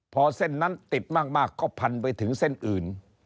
พอเส้นนั้นติดมากก็พันไปถึงเส้นอื่น